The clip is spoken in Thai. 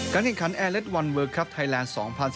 การแข่งขันแอร์เล็ตวันเวอร์คลัฟต์ไทยแลนด์๒๐๑๗